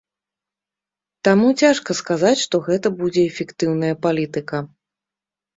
Таму цяжка сказаць, што гэта будзе эфектыўная палітыка.